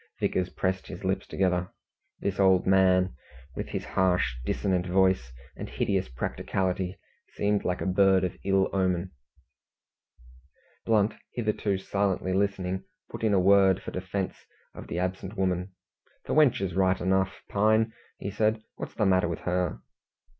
Vickers pressed his lips together. This old man, with his harsh, dissonant voice, and hideous practicality, seemed like a bird of ill omen. Blunt, hitherto silently listening, put in a word for defence of the absent woman. "The wench is right enough, Pine," said he. "What's the matter with her?"